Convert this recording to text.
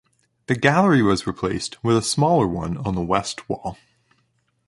The gallery was replaced with a smaller one on the west wall.